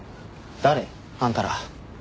誰？あんたら。